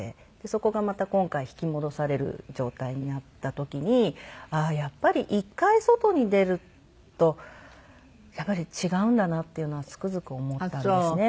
そこがまた今回引き戻される状態になった時にああーやっぱり１回外に出るとやっぱり違うんだなっていうのはつくづく思ったんですね。